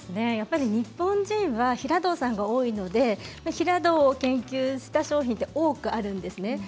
日本人は平胴さんが多いので平胴を研究した商品が多くあるんですね。